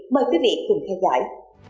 mời quý vị cùng theo dõi